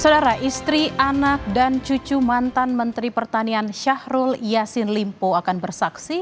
saudara istri anak dan cucu mantan menteri pertanian syahrul yassin limpo akan bersaksi